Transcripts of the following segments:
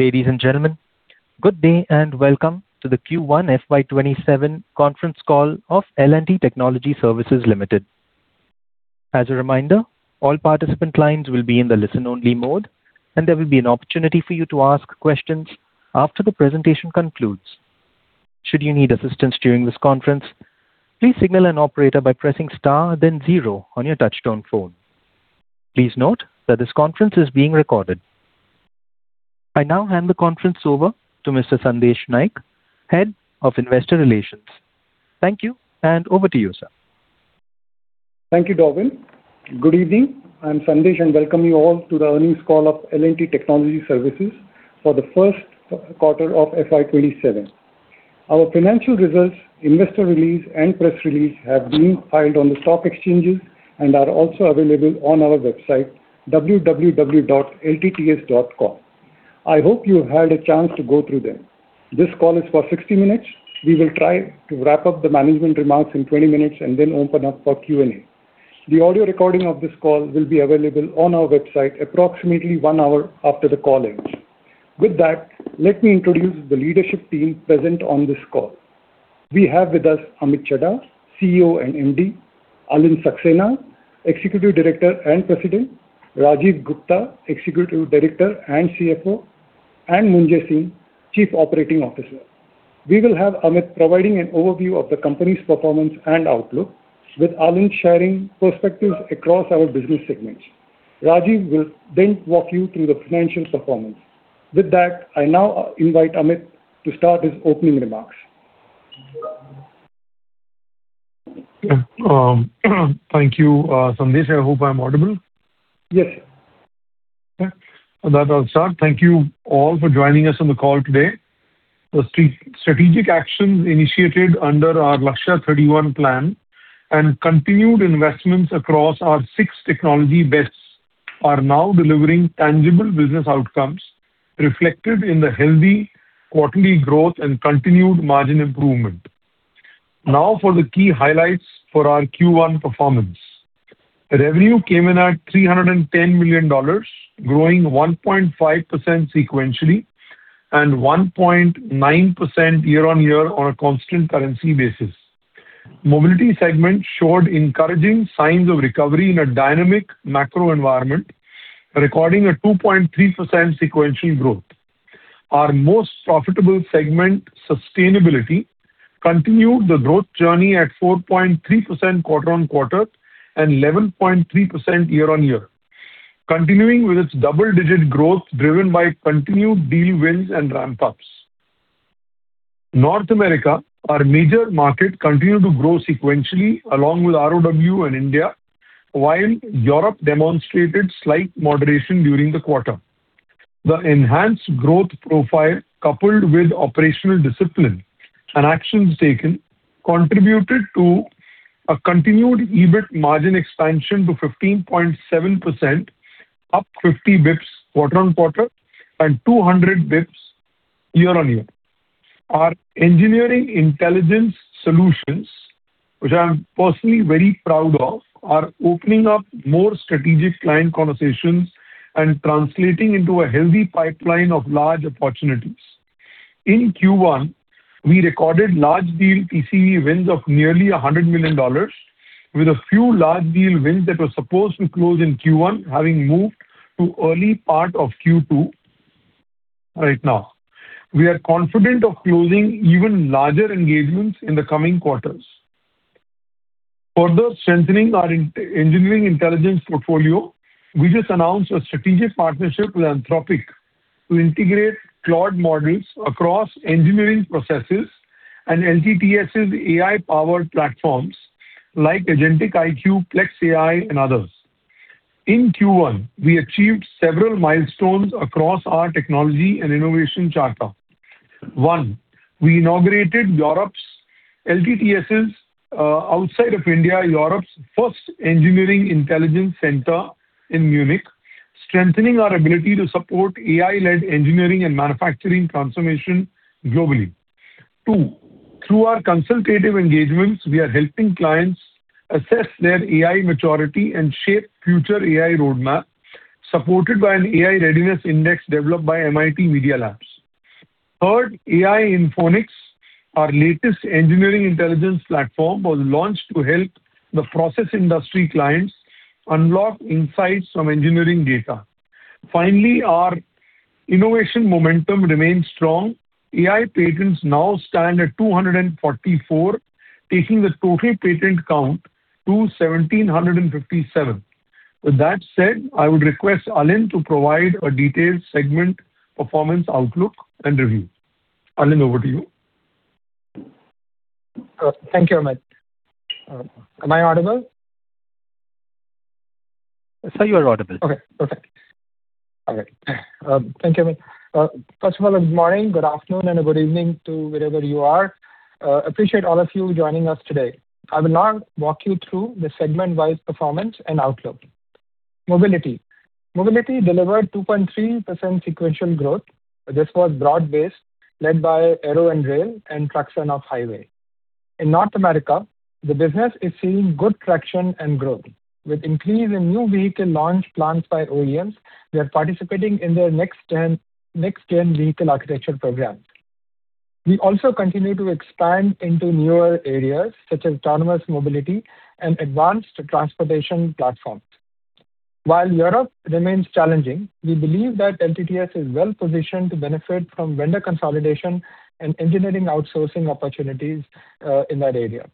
Ladies and gentlemen, good day, and welcome to the Q1 FY 2027 conference call of L&T Technology Services Limited. As a reminder, all participant lines will be in the listen-only mode. There will be an opportunity for you to ask questions after the presentation concludes. Should you need assistance during this conference, please signal an operator by pressing star then zero on your touchtone phone. Please note that this conference is being recorded. I now hand the conference over to Mr. Sandesh Naik, Head of Investor Relations. Thank you. Over to you, sir. Thank you, Dobbin. Good evening. I'm Sandesh. I welcome you all to the earnings call of L&T Technology Services for the first quarter of FY 2027. Our financial results, investor release, and press release have been filed on the stock exchanges and are also available on our website, www.ltts.com. I hope you had a chance to go through them. This call is for 60 minutes. We will try to wrap up the management remarks in 20 minutes. Then open up for Q&A. The audio recording of this call will be available on our website approximately one hour after the call ends. With that, let me introduce the leadership team present on this call. We have with us Amit Chadha, CEO and MD, Alind Saxena, Executive Director and President, Rajeev Gupta, Executive Director and CFO, and Munjay Singh, Chief Operating Officer. We will have Amit providing an overview of the company's performance and outlook, with Alind sharing perspectives across our business segments. Rajeev will then walk you through the financial performance. With that, I now invite Amit to start his opening remarks. Thank you, Sandesh. I hope I'm audible. Yes. Okay. With that, I'll start. Thank you all for joining us on the call today. The strategic actions initiated under our Lakshya 31 plan and continued investments across our six technology bets are now delivering tangible business outcomes reflected in the healthy quarterly growth and continued margin improvement. For the key highlights for our Q1 performance. Revenue came in at $310 million, growing 1.5% sequentially and 1.9% year-on-year on a constant currency basis. Mobility segment showed encouraging signs of recovery in a dynamic macro environment, recording a 2.3% sequential growth. Our most profitable segment, Sustainability, continued the growth journey at 4.3% quarter-on-quarter and 11.3% year-on-year, continuing with its double-digit growth driven by continued deal wins and ramp-ups. North America, our major market, continued to grow sequentially along with ROW and India, while Europe demonstrated slight moderation during the quarter. The enhanced growth profile, coupled with operational discipline and actions taken, contributed to a continued EBIT margin expansion to 15.7%, up 50 bps quarter-on-quarter and 200 bps year-on-year. Our Engineering Intelligence solutions, which I'm personally very proud of, are opening up more strategic client conversations and translating into a healthy pipeline of large opportunities. In Q1, we recorded large deal TCV wins of nearly $100 million, with a few large deal wins that were supposed to close in Q1 having moved to early part of Q2 right now. We are confident of closing even larger engagements in the coming quarters. Further strengthening our Engineering Intelligence portfolio, we just announced a strategic partnership with Anthropic to integrate Claude models across engineering processes and LTTS' AI-powered platforms like Agentic IQ, Plex AI, and others. In Q1, we achieved several milestones across our technology and innovation charter. One, we inaugurated Europe's LTTS' outside of India, Europe's first Engineering Intelligence center in Munich, strengthening our ability to support AI-led engineering and manufacturing transformation globally. Two, through our consultative engagements, we are helping clients assess their AI maturity and shape future AI roadmap, supported by an AI readiness index developed by MIT Media Lab. Third, Ainfonix, our latest Engineering Intelligence platform, was launched to help the process industry clients unlock insights from engineering data. Finally, our innovation momentum remains strong. AI patents now stand at 244, taking the total patent count to 1,757. With that said, I would request Alind to provide a detailed segment performance outlook and review. Alind, over to you. Thank you, Amit. Am I audible? Sir, you are audible. Okay, perfect. All right. Thank you, Amit. First of all, good morning, good afternoon, and good evening to wherever you are. Appreciate all of you joining us today. I will now walk you through the segment-wise performance and outlook. Mobility. Mobility delivered 2.3% sequential growth. This was broad-based, led by Aero and Rail and traction off-highway. In North America, the business is seeing good traction and growth. With increase in new vehicle launch plans by OEMs, we are participating in their next-gen vehicle architecture program. We also continue to expand into newer areas such as autonomous mobility and advanced transportation platforms. While Europe remains challenging, we believe that LTTS is well-positioned to benefit from vendor consolidation and engineering outsourcing opportunities in that area.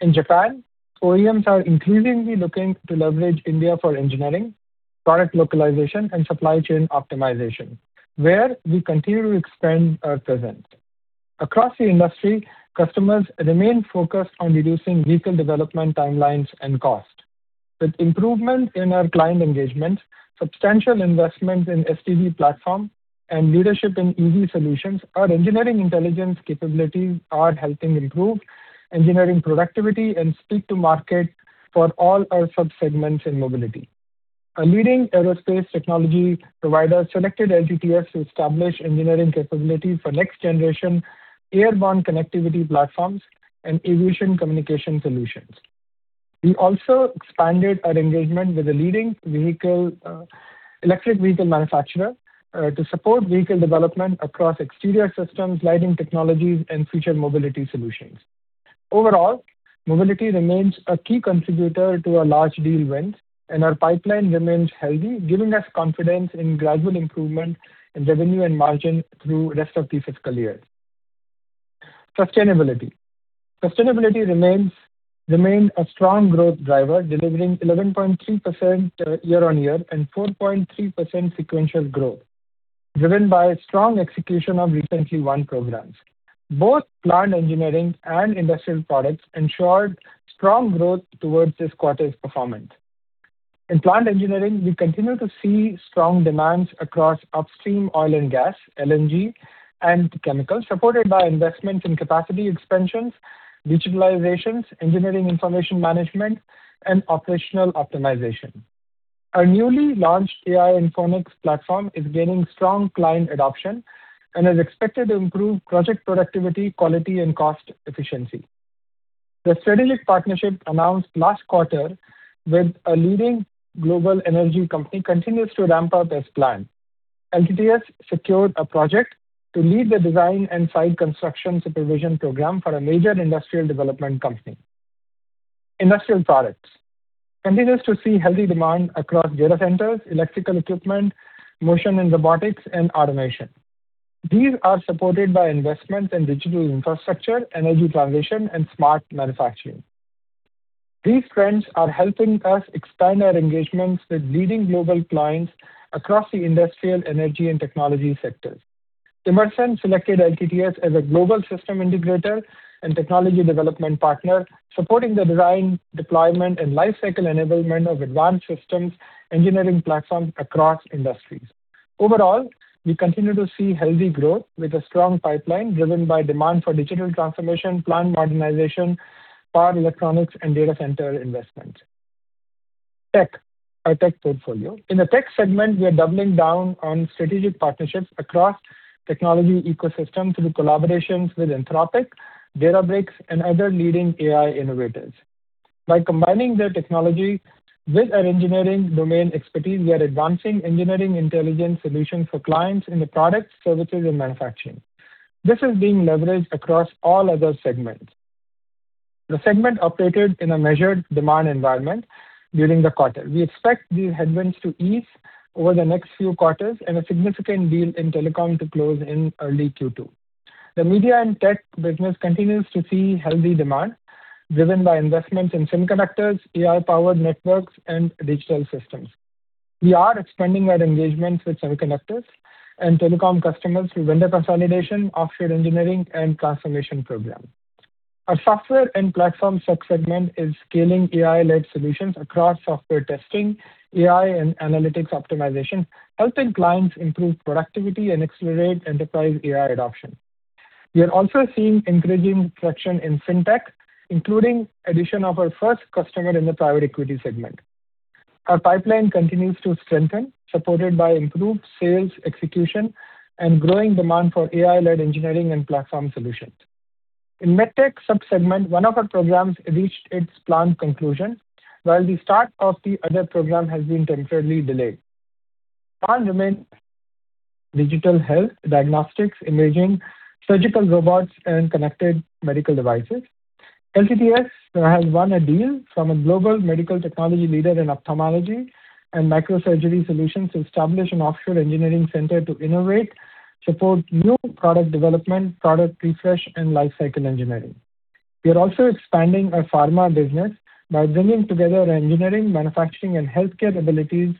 In Japan, OEMs are increasingly looking to leverage India for engineering, product localization, and supply chain optimization, where we continue to expand our presence. Across the industry, customers remain focused on reducing vehicle development timelines and cost. With improvement in our client engagement, substantial investment in SDV platform and leadership in EV solutions, our Engineering Intelligence capabilities are helping improve engineering productivity and speed to market for all our sub-segments in mobility. A leading aerospace technology provider selected LTTS to establish engineering capabilities for next-generation airborne connectivity platforms and aviation communication solutions. We also expanded our engagement with a leading electric vehicle manufacturer to support vehicle development across exterior systems, lighting technologies, and future mobility solutions. Overall, mobility remains a key contributor to our large deal wins, and our pipeline remains healthy, giving us confidence in gradual improvement in revenue and margin through the rest of the fiscal year. Sustainability. Sustainability remains a strong growth driver, delivering 11.3% year-on-year and 4.3% sequential growth, driven by strong execution of recently won programs. Both plant engineering and industrial products ensured strong growth towards this quarter's performance. In plant engineering, we continue to see strong demands across upstream oil and gas, LNG, and chemicals, supported by investment in capacity expansions, digitalizations, engineering information management, and operational optimization. Our newly launched Ainfonix platform is gaining strong client adoption and is expected to improve project productivity, quality, and cost efficiency. The strategic partnership announced last quarter with a leading global energy company continues to ramp up as planned. LTTS secured a project to lead the design and site construction supervision program for a major industrial development company. Industrial products continues to see healthy demand across data centers, electrical equipment, motion and robotics, and automation. These are supported by investment in digital infrastructure, energy transition, and smart manufacturing. These trends are helping us expand our engagements with leading global clients across the industrial energy and technology sectors. Emerson selected LTTS as a global system integrator and technology development partner, supporting the design, deployment, and lifecycle enablement of advanced systems engineering platforms across industries. Overall, we continue to see healthy growth with a strong pipeline driven by demand for digital transformation, plant modernization, power electronics, and data center investments. Tech. Our tech portfolio. In the tech segment, we are doubling down on strategic partnerships across technology ecosystem through collaborations with Anthropic, Databricks, and other leading AI innovators. By combining their technology with our engineering domain expertise, we are advancing Engineering Intelligence solutions for clients in the products, services, and manufacturing. This is being leveraged across all other segments. The segment updated in a measured demand environment during the quarter. We expect these headwinds to ease over the next few quarters and a significant deal in telecom to close in early Q2. The media and tech business continues to see healthy demand driven by investments in semiconductors, AI-powered networks, and digital systems. We are expanding our engagements with semiconductors and telecom customers through vendor consolidation, offshore engineering, and transformation programs. Our software and platform sub-segment is scaling AI-led solutions across software testing, AI, and analytics optimization, helping clients improve productivity and accelerate enterprise AI adoption. We are also seeing increasing traction in FinTech, including addition of our first customer in the private equity segment. Our pipeline continues to strengthen, supported by improved sales execution and growing demand for AI-led engineering and platform solutions. In MedTech sub-segment, one of our programs reached its planned conclusion, while the start of the other program has been temporarily delayed. Strong demand digital health, diagnostics, imaging, surgical robots, and connected medical devices. LTTS has won a deal from a global medical technology leader in ophthalmology and microsurgery solutions to establish an offshore engineering center to innovate, support new product development, product refresh, and lifecycle engineering. We are also expanding our pharma business by bringing together our engineering, manufacturing, and healthcare abilities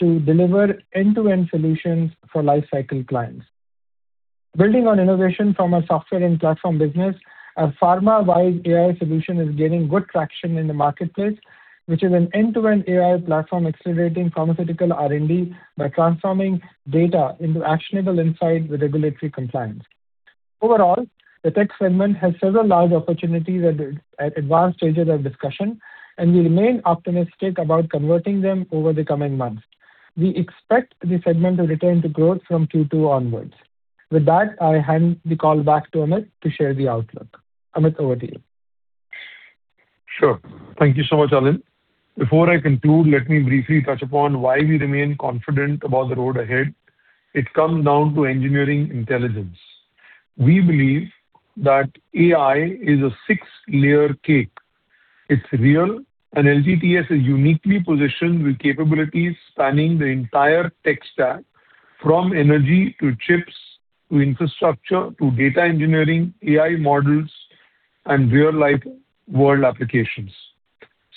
to deliver end-to-end solutions for lifecycle clients. Building on innovation from our software and platform business, our pharma-wide AI solution is gaining good traction in the marketplace, which is an end-to-end AI platform accelerating pharmaceutical R&D by transforming data into actionable insights with regulatory compliance. Overall, the tech segment has several large opportunities at advanced stages of discussion, and we remain optimistic about converting them over the coming months. We expect the segment to return to growth from Q2 onwards. With that, I hand the call back to Amit to share the outlook. Amit, over to you. Sure. Thank you so much, Alind. Before I conclude, let me briefly touch upon why we remain confident about the road ahead. It comes down to Engineering Intelligence. We believe that AI is a six-layer cake. It's real, and LTTS is uniquely positioned with capabilities spanning the entire tech stack, from energy to chips, to infrastructure, to data engineering, AI models, and real-life world applications.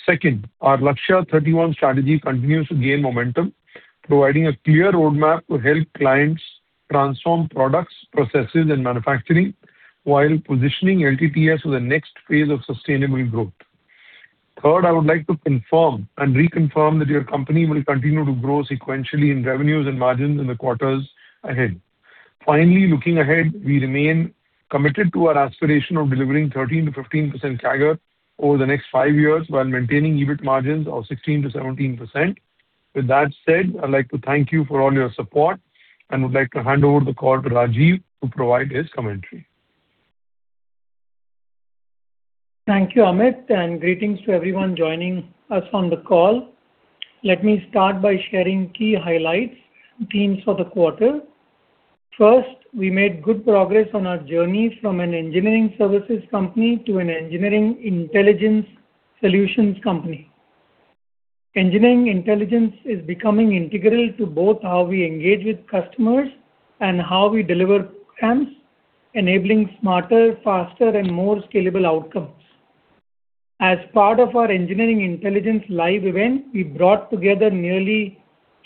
Second, our Lakshya 31 strategy continues to gain momentum, providing a clear roadmap to help clients transform products, processes, and manufacturing, while positioning LTTS for the next phase of sustainable growth. Third, I would like to confirm and reconfirm that your company will continue to grow sequentially in revenues and margins in the quarters ahead. Finally, looking ahead, we remain committed to our aspiration of delivering 13%-15% CAGR over the next five years while maintaining EBIT margins of 16%-17%. With that said, I'd like to thank you for all your support and would like to hand over the call to Rajeev to provide his commentary. Thank you, Amit, and greetings to everyone joining us on the call. Let me start by sharing key highlights and themes for the quarter. First, we made good progress on our journey from an engineering services company to an Engineering Intelligence solutions company. Engineering Intelligence is becoming integral to both how we engage with customers and how we deliver programs, enabling smarter, faster, and more scalable outcomes. As part of our Engineering Intelligence Live event, we brought together nearly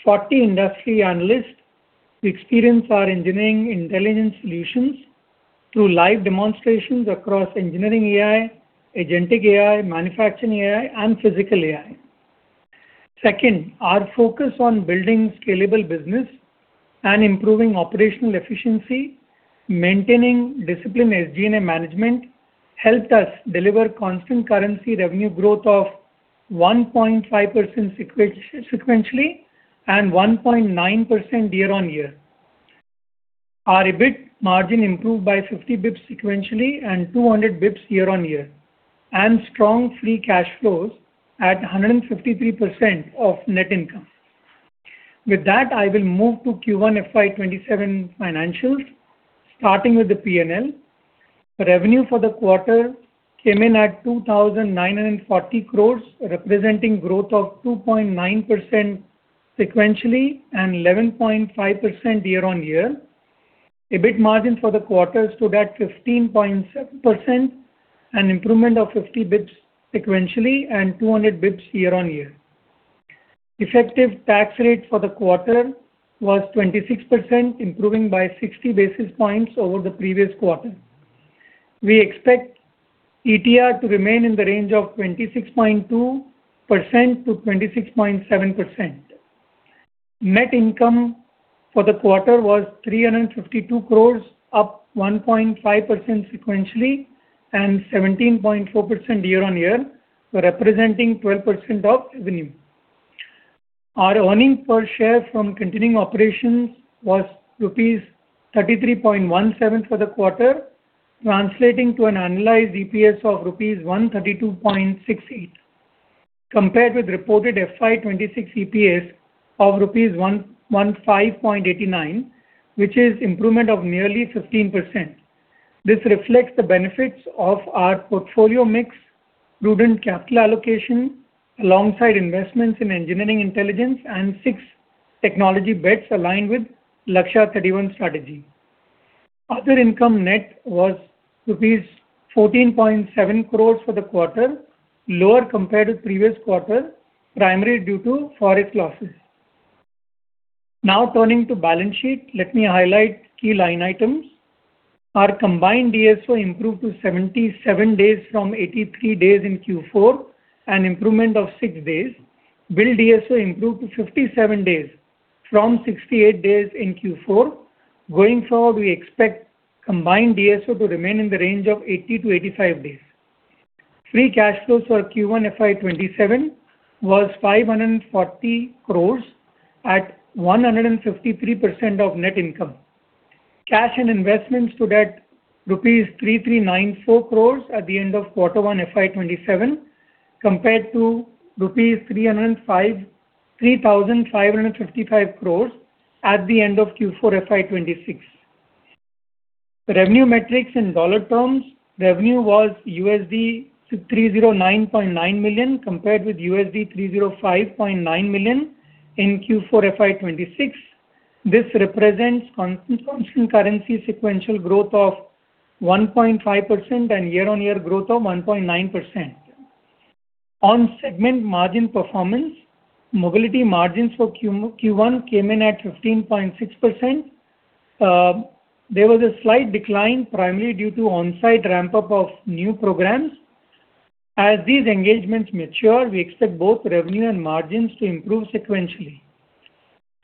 40 industry analysts to experience our Engineering Intelligence solutions through live demonstrations across Engineering AI, Agentic AI, manufacturing AI, and Physical AI. Second, our focus on building scalable business and improving operational efficiency, maintaining disciplined SG&A management helped us deliver constant currency revenue growth of 1.5% sequentially and 1.9% year-on-year. Our EBIT margin improved by 50 bps sequentially and 200 bps year-on-year, and strong free cash flows at 153% of net income. With that, I will move to Q1 FY 2027 financials, starting with the P&L. Revenue for the quarter came in at 2,940 crore, representing growth of 2.9% sequentially and 11.5% year-on-year. EBIT margin for the quarter stood at 15.7%, an improvement of 50 bps sequentially and 200 bps year-on-year. Effective tax rate for the quarter was 26%, improving by 60 basis points over the previous quarter. We expect ETR to remain in the range of 26.2%-26.7%. Net income for the quarter was 352 crore, up 1.5% sequentially and 17.4% year-on-year, representing 12% of revenue. Our earnings per share from continuing operations was rupees 33.17 for the quarter, translating to an annualized EPS of rupees 132.68, compared with reported FY 2026 EPS of rupees 105.89, which is improvement of nearly 15%. This reflects the benefits of our portfolio mix, prudent capital allocation alongside investments in Engineering Intelligence and six technology bets aligned with Lakshya 31 strategy. Other income net was rupees 14.7 crore for the quarter, lower compared with previous quarter, primarily due to Forex losses. Turning to balance sheet, let me highlight key line items. Our combined DSO improved to 77 days from 83 days in Q4, an improvement of six days. Bill DSO improved to 57 days from 68 days in Q4. Going forward, we expect combined DSO to remain in the range of 80-85 days. Free cash flows for Q1 FY 2027 was 540 crore at 153% of net income. Cash and investments stood at rupees 3,394 crore at the end of Q1 FY 2027 compared to 3,555 crore at the end of Q4 FY 2026. Revenue metrics in dollar terms. Revenue was $309.9 million compared with $305.9 million in Q4 FY 2026. This represents constant currency sequential growth of 1.5% and year-over-year growth of 1.9%. On segment margin performance, Mobility margins for Q1 came in at 15.6%. There was a slight decline, primarily due to on-site ramp-up of new programs. As these engagements mature, we expect both revenue and margins to improve sequentially.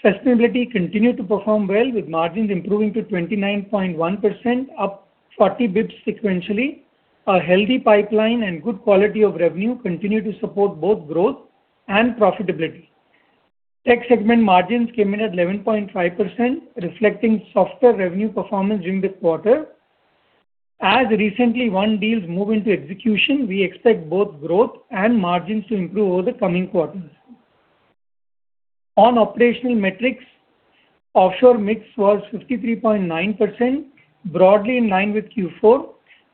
Sustainability continued to perform well, with margins improving to 29.1%, up 40 bps sequentially. A healthy pipeline and good quality of revenue continue to support both growth and profitability. Tech segment margins came in at 11.5%, reflecting softer revenue performance during this quarter. As recently won deals move into execution, we expect both growth and margins to improve over the coming quarters. On operational metrics, offshore mix was 53.9%, broadly in line with Q4.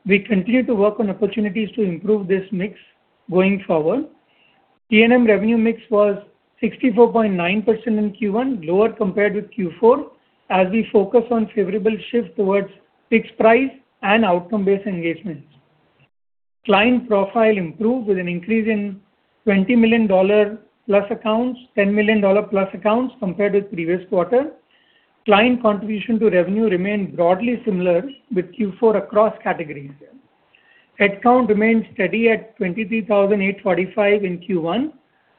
We continue to work on opportunities to improve this mix going forward. T&M revenue mix was 64.9% in Q1, lower compared with Q4, as we focus on favorable shift towards fixed price and outcome-based engagements. Client profile improved with an increase in $20+ million accounts, $10+ million accounts compared with previous quarter. Client contribution to revenue remained broadly similar with Q4 across categories. Headcount remained steady at 23,845 in Q1,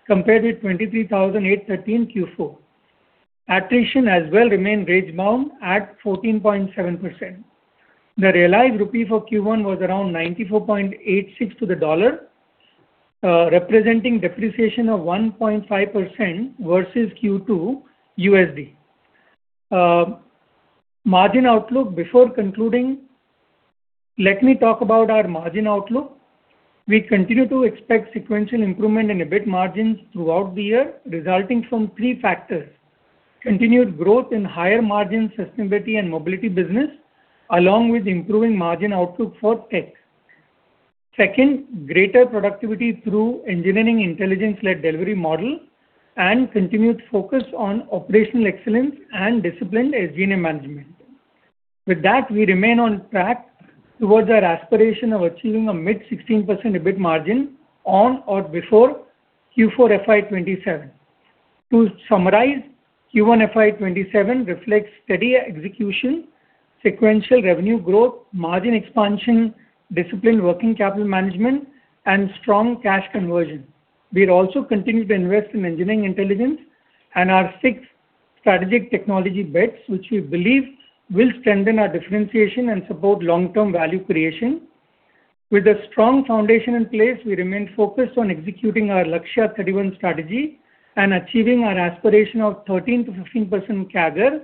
compared with 23,813 in Q4. Attrition as well remained range bound at 14.7%. The realized rupee for Q1 was around 94.86 to the dollar, representing depreciation of 1.5% versus Q2 USD. Margin outlook. Before concluding, let me talk about our margin outlook. We continue to expect sequential improvement in EBIT margins throughout the year, resulting from three factors. Continued growth in higher-margin Sustainability and Mobility business, along with improving margin outlook for Tech. Second, greater productivity through Engineering Intelligence-led delivery model, and continued focus on operational excellence and disciplined SG&A management. With that, we remain on track towards our aspiration of achieving a mid 16% EBIT margin on or before Q4 FY 2027. To summarize, Q1 FY 2027 reflects steady execution, sequential revenue growth, margin expansion, disciplined working capital management, and strong cash conversion. We will also continue to invest in Engineering Intelligence and our six strategic technology bets, which we believe will strengthen our differentiation and support long-term value creation. With a strong foundation in place, we remain focused on executing our Lakshya 31 strategy and achieving our aspiration of 13%-15% CAGR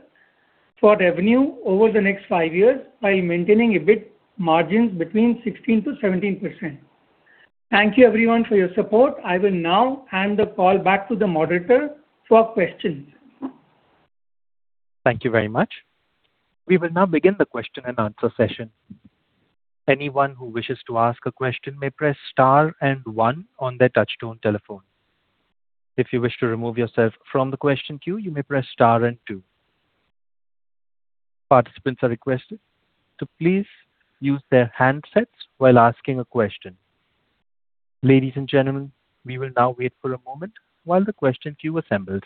for revenue over the next five years by maintaining EBIT margins between 16%-17%. Thank you everyone for your support. I will now hand the call back to the moderator for questions. Thank you very much. We will now begin the question-and-answer session. Anyone who wishes to ask a question may press star one on their touchtone telephone. If you wish to remove yourself from the question queue, you may press star two. Participants are requested to please use their handsets while asking a question. Ladies and gentlemen, we will now wait for a moment while the question queue assembles.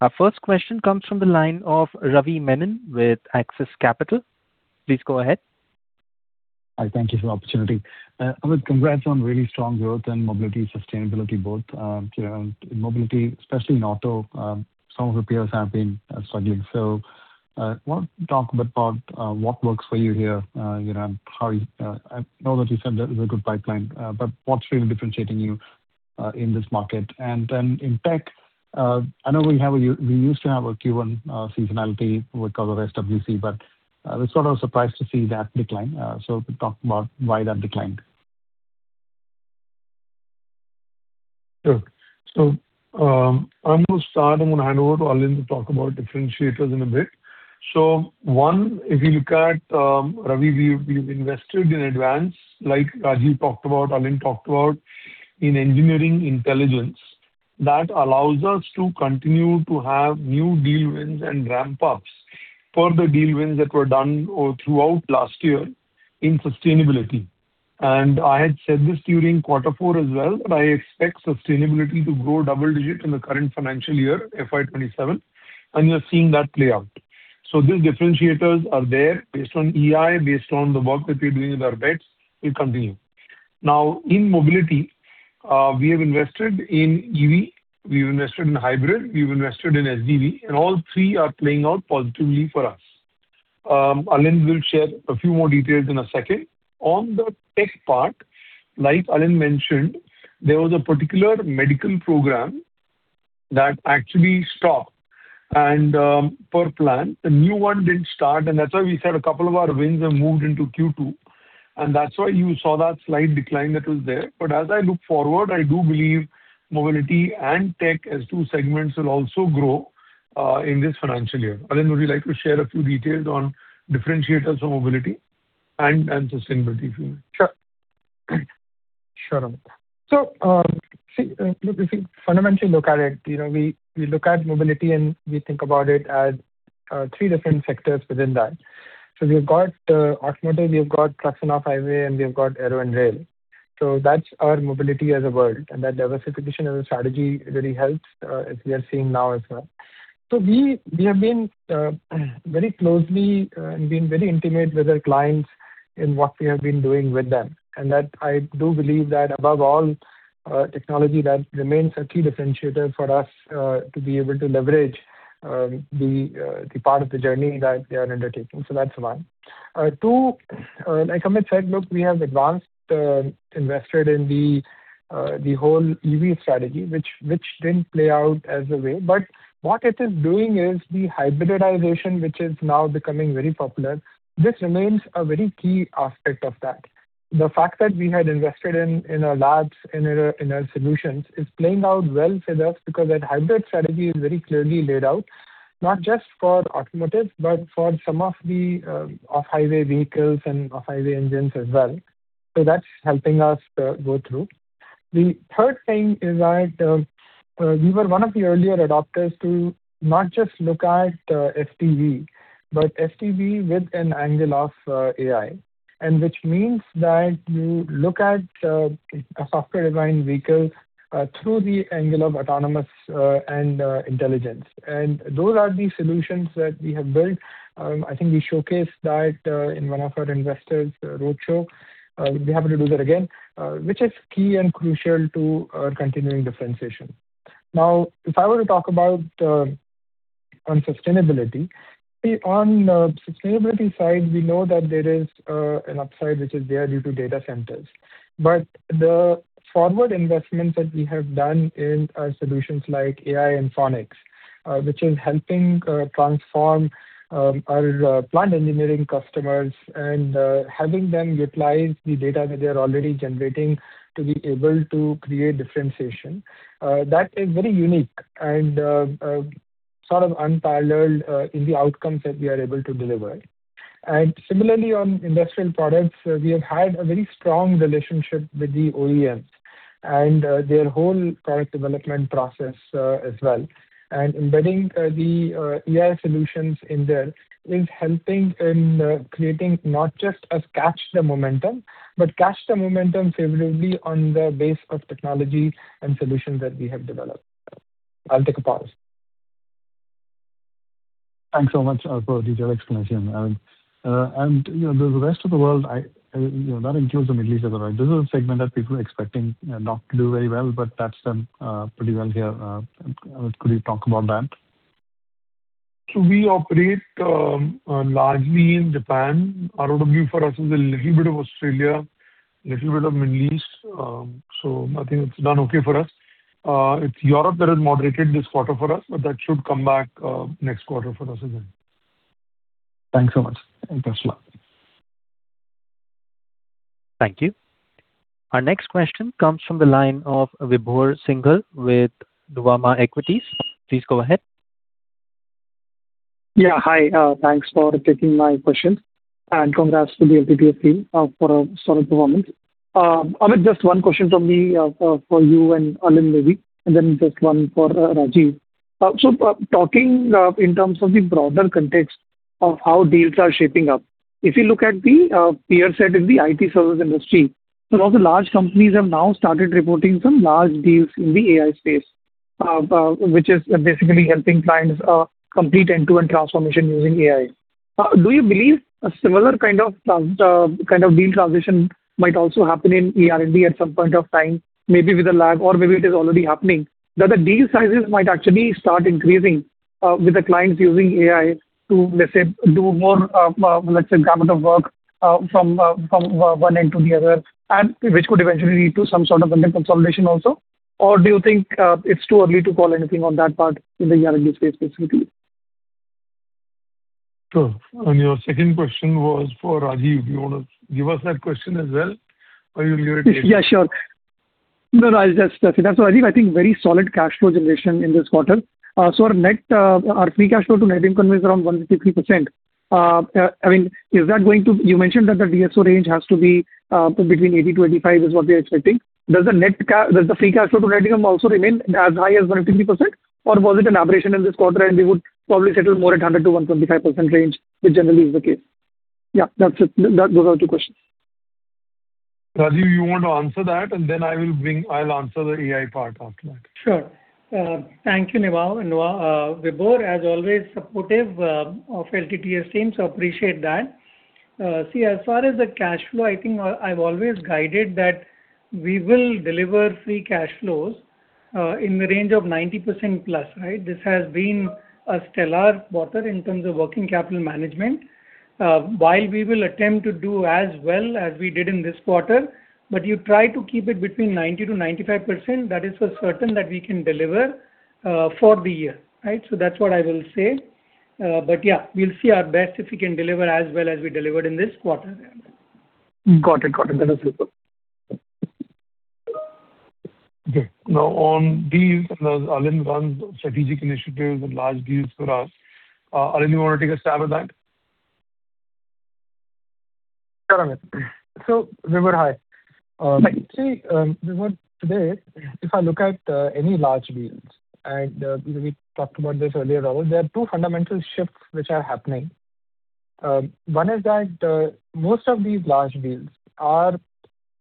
Our first question comes from the line of Ravi Menon with Axis Capital. Please go ahead. Hi, thank you for the opportunity. Amit, congrats on really strong growth in Mobility and sustainability both. In Mobility, especially in auto, some of the peers have been struggling. So want to talk a bit about what works for you here. I know that you said there is a good pipeline, but what's really differentiating you in this market? In tech, I know we used to have a Q1 seasonality with all the SWC, but I was sort of surprised to see that decline. If you could talk about why that declined. Sure. I'm going to start, I'm going to hand over to Alind to talk about differentiators in a bit. One, if you look at, Ravi, we've invested in advance, like Rajeev talked about, Alind talked about, in Engineering Intelligence. That allows us to continue to have new deal wins and ramp-ups for the deal wins that were done throughout last year in sustainability. And I had said this during quarter four as well, that I expect sustainability to grow double digit in the current financial year, FY 2027, and you're seeing that play out. These differentiators are there based on AI, based on the work that we're doing with our bets will continue. Now in Mobility, we have invested in EV, we've invested in hybrid, we've invested in SDV, and all three are playing out positively for us. Alind will share a few more details in a second. On the Tech part, like Alind mentioned, there was a particular medical program that actually stopped. Per plan, a new one didn't start. That's why we said a couple of our wins have moved into Q2. That's why you saw that slight decline that was there. As I look forward, I do believe Mobility and Tech as two segments will also grow in this financial year. Alind, would you like to share a few details on differentiators of Mobility and sustainability if you would? Sure. Sure. If we fundamentally look at it, we look at Mobility and we think about it as three different sectors within that. We've got automotive, we've got trucks and off-highway, and we've got aero and rail. That's our Mobility as a world. That diversification as a strategy really helps, as we are seeing now as well. We have been very closely and been very intimate with our clients in what we have been doing with them. That I do believe that above all, technology that remains a key differentiator for us to be able to leverage the part of the journey that they are undertaking. That's one. Two, like Amit said, look, we have advanced invested in the whole EV strategy, which didn't play out as a way. What it is doing is the hybridization, which is now becoming very popular. This remains a very key aspect of that. The fact that we had invested in our labs, in our solutions, is playing out well for us because that hybrid strategy is very clearly laid out, not just for automotive, but for some of the off-highway vehicles and off-highway engines as well. The third thing is that we were one of the earlier adopters to not just look at SDV, but SDV with an angle of AI. Which means that you look at a software-defined vehicle through the angle of autonomous and intelligence. Those are the solutions that we have built. I think we showcased that in one of our investors roadshow. We are happy to do that again, which is key and crucial to our continuing differentiation. If I were to talk about sustainability. On sustainability side, we know that there is an upside, which is there due to data centers. The forward investments that we have done in our solutions like Ainfonix, which is helping transform our plant engineering customers and helping them utilize the data that they are already generating to be able to create differentiation. That is very unique and sort of unparalleled in the outcomes that we are able to deliver. Similarly, on industrial products, we have had a very strong relationship with the OEMs and their whole product development process as well. Embedding the AI solutions in there is helping in creating not just us catch the momentum, but catch the momentum favorably on the base of technology and solutions that we have developed. I will take a pause. Thanks so much for the detailed explanation, Alind. The rest of the world, that includes the Middle East as well, right. This is a segment that people are expecting not to do very well, but that's done pretty well here. Could you talk about that? We operate largely in Japan. ROW for us is a little bit of Australia, little bit of Middle East. I think it's done okay for us. It's Europe that has moderated this quarter for us, but that should come back next quarter for us as well. Thanks so much. Thanks a lot. Thank you. Our next question comes from the line of Vibhor Singhal with Nuvama Equities. Please go ahead. Yeah. Hi. Thanks for taking my questions. Congrats to the LTTS team for a solid performance. Amit, just one question from me for you and Alind maybe, then just one for Rajeev. Talking in terms of the broader context of how deals are shaping up. If you look at the peer set in the IT service industry, a lot of large companies have now started reporting some large deals in the AI space, which is basically helping clients complete end-to-end transformation using AI. Do you believe a similar kind of deal transition might also happen in ER&D at some point of time? Maybe with a lag or maybe it is already happening. That the deal sizes might actually start increasing with the clients using AI to, let's say, do more gamut of work from one end to the other, which could eventually lead to some sort of vendor consolidation also? Do you think it's too early to call anything on that part in the ER&D space specifically? Sure. Your second question was for Rajeev. Do you want to give us that question as well? Or you leave it here? Yeah, sure. No, that's it. Rajeev, I think very solid cash flow generation in this quarter. Our free cash flow to net income is around 153%. You mentioned that the DSO range has to be between 80-85 is what we're expecting. Does the free cash flow to net income also remain as high as 153%? Or was it an aberration in this quarter, and we would probably settle more at 100%-125% range, which generally is the case? Yeah, those are the two questions. Rajeev, you want to answer that, and then I'll answer the AI part after that. Sure. Thank you, Vibhor. As always, supportive of LTTS team, so appreciate that. As far as the cash flow, I think I've always guided that we will deliver free cash flows, in the range of 90%+. Right. This has been a stellar quarter in terms of working capital management. While we will attempt to do as well as we did in this quarter, but you try to keep it between 90%-95%, that is for certain that we can deliver for the year. Right. That's what I will say. Yeah, we'll see our best if we can deliver as well as we delivered in this quarter. Got it. That is clear. Okay. On deals and those Alind runs Strategic Initiatives and large deals for us. Alind, you want to take a stab at that? Sure, Amit. Vibhor, hi. Hi. See, Vibhor, today, if I look at any large deals, and we talked about this earlier, Rahul. There are two fundamental shifts which are happening. One is that most of these large deals are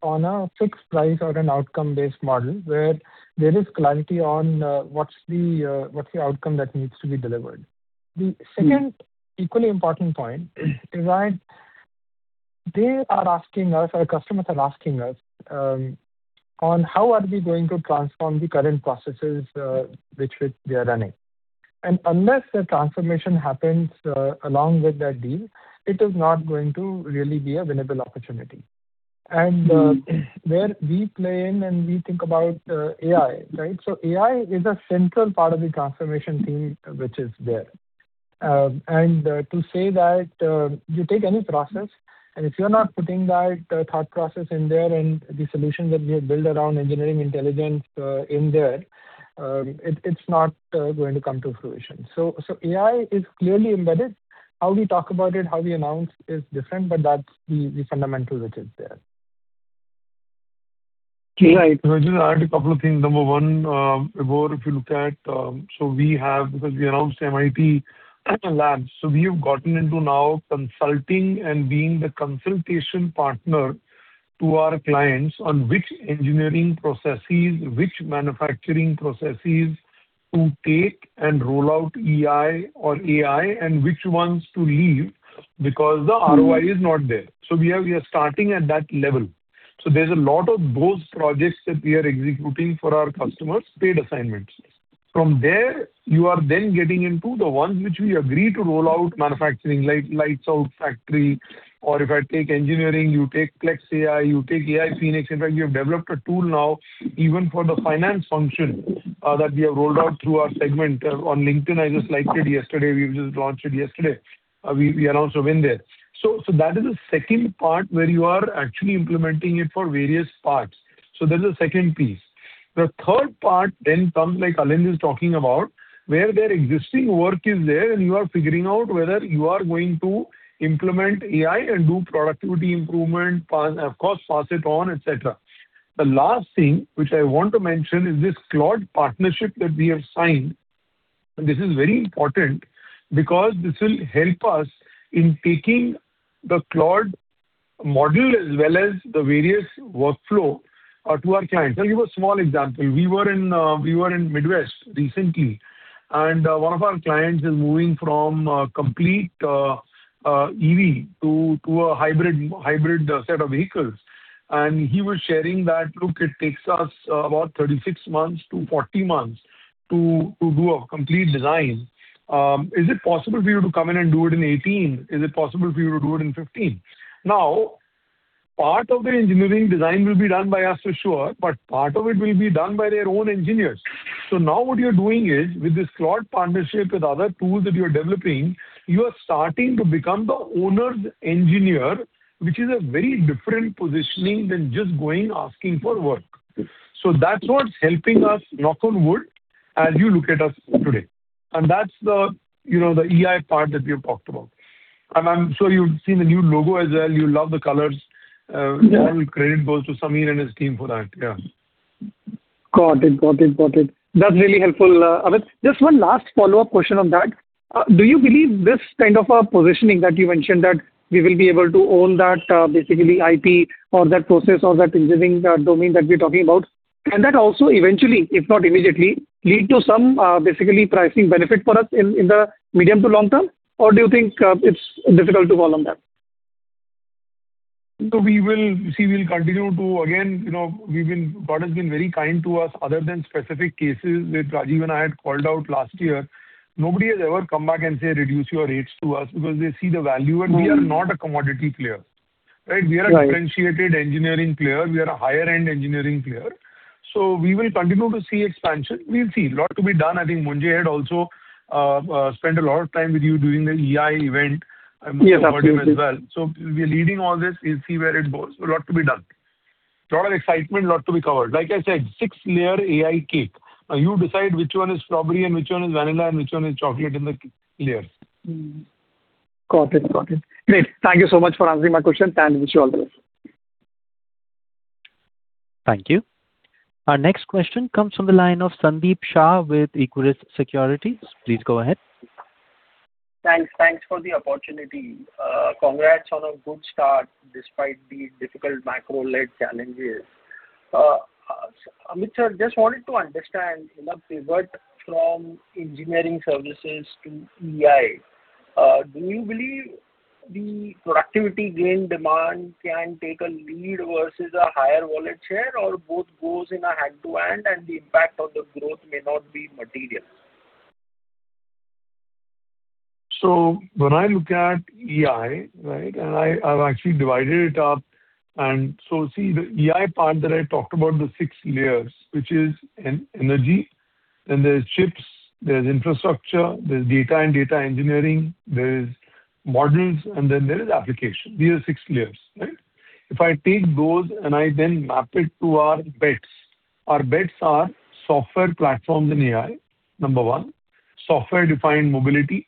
on a fixed price or an outcome-based model where there is clarity on what's the outcome that needs to be delivered. The second equally important point is that our customers are asking us on how are we going to transform the current processes which we are running. Unless the transformation happens along with that deal, it is not going to really be a winnable opportunity. Where we play in and we think about AI, right? AI is a central part of the transformation theme which is there. To say that you take any process and if you're not putting that thought process in there and the solution that we have built around Engineering Intelligence in there, it's not going to come to fruition. AI is clearly embedded. How we talk about it, how we announce is different, but that's the fundamental which is there. Right. Can I just add a couple of things? Number one, Vibhor, if you look at. We have, because we announced MIT Media Lab, we have gotten into now consulting and being the consultation partner to our clients on which engineering processes, which manufacturing processes to take and roll out EI or AI and which ones to leave because the ROI is not there. We are starting at that level. There's a lot of those projects that we are executing for our customers, paid assignments. From there, you are then getting into the ones which we agree to roll out manufacturing, like lights out factory. If I take engineering, you take Plex AI, you take Ainfonix. In fact, we have developed a tool now even for the finance function that we have rolled out through our segment on LinkedIn. I just liked it yesterday. We've just launched it yesterday. We announced a win there. That is the second part where you are actually implementing it for various parts. That is the second piece. The third part comes like Alind is talking about, where their existing work is there and you are figuring out whether you are going to implement AI and do productivity improvement, and of course pass it on, et cetera. The last thing which I want to mention is this Claude partnership that we have signed. This is very important because this will help us in taking the Claude model as well as the various workflow to our clients. I'll give a small example. We were in Midwest recently, and one of our clients is moving from complete EV to a hybrid set of vehicles. He was sharing that, "Look, it takes us about 36 months to 40 months to do a complete design. Is it possible for you to come in and do it in 18? Is it possible for you to do it in 15?" Now, part of their engineering design will be done by us for sure, but part of it will be done by their own engineers. What you're doing is with this Claude partnership, with other tools that you're developing, you are starting to become the owner's engineer, which is a very different positioning than just going asking for work. That's what's helping us, knock on wood, as you look at us today, and that's the EI part that we have talked about. And I'm sure you've seen the new logo as well. You love the colors. Yeah. All credit goes to Sameer and his team for that. Yeah. Got it. That's really helpful, Amit. Just one last follow-up question on that. Do you believe this kind of a positioning that you mentioned, that we will be able to own that basically IP or that process or that engineering domain that we're talking about? Can that also eventually, if not immediately, lead to some basically pricing benefit for us in the medium to long term? Or do you think it's difficult to call on that? We will see. We'll continue to, again, God has been very kind to us. Other than specific cases that Rajeev and I had called out last year, nobody has ever come back and said, "Reduce your rates to us," because they see the value and we are not a commodity player, right? Right. We are a differentiated engineering player. We are a higher-end engineering player. We will continue to see expansion. We'll see. A lot to be done. I think Munjay had also spent a lot of time with you during the EI event. Yes, absolutely. We are leading all this. We'll see where it goes. A lot to be done. A lot of excitement, a lot to be covered. Like I said, six-layer AI cake. Now you decide which one is strawberry and which one is vanilla and which one is chocolate in the layers. Got it. Great. Thank you so much for answering my question. Wish you all the best. Thank you. Our next question comes from the line of Sandeep Shah with Equirus Securities. Please go ahead. Thanks for the opportunity. Congrats on a good start despite these difficult macro-led challenges. Amit sir, just wanted to understand in a pivot from engineering services to EI, do you believe the productivity gain demand can take a lead versus a higher wallet share or both goes hand-in-hand and the impact on the growth may not be material? When I look at EI, right, I've actually divided it up see the EI part that I talked about, the six layers, which is energy, there's chips, there's infrastructure, there's data and data engineering, there's models, and there is application. These are six layers, right? If I take those I then map it to our bets. Our bets are software platforms in AI, number one. Software-defined mobility.